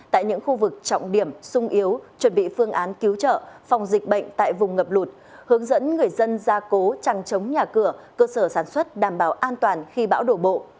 tại những khu vực trọng điểm sung yếu chuẩn bị phương án cứu trợ phòng dịch bệnh tại vùng ngập lụt hướng dẫn người dân ra cố trăng chống nhà cửa cơ sở sản xuất đảm bảo an toàn khi bão đổ bộ